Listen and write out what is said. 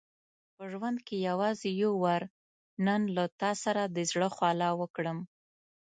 په ژوند کې یوازې یو وار نن له تا سره د زړه خواله وکړم.